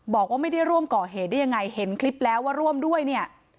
บอกว่าไม่ได้ร่วมก่อเหตุได้ยังไงเห็นคลิปแล้วว่าร่วมด้วยเนี่ย